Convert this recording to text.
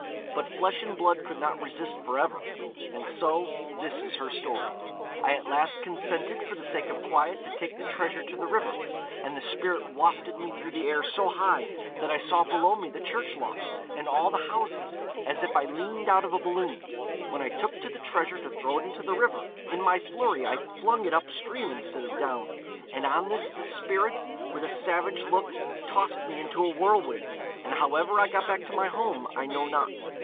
But flesh and blood could not resist for ever, and so this is her story: 'I at last consented, for the sake of quiet, to take the treasure to the river; and the spirit wafted me through the air so high that I saw below me the church loft, and all the houses, as if I leaned out of a balloon. When I took the treasure to throw it into the river, in my flurry I flung it up stream instead of down: and on this the spirit, with a savage look, tossed me into a whirlwind, and however I got back to my home I know not.'